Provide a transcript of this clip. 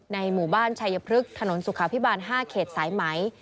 หมู่บ้านชัยพฤกษ์ถนนสุขาพิบาล๕เขตสายไหม